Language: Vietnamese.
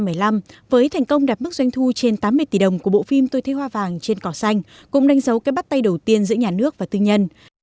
năm hai nghìn một mươi năm với thành công đạt mức doanh thu trên tám mươi tỷ đồng của bộ phim tôi thấy hoa vàng trên cỏ xanh cũng đánh dấu cái bắt tay đầu tiên giữa nhà nước và tư nhân